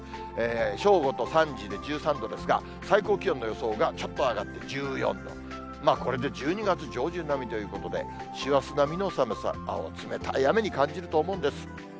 正午と３時で１３度ですが、最高気温の予想がちょっと上がって１４度、これで１２月上旬並みということで、師走並みの寒さ、冷たい雨に感じると思うんです。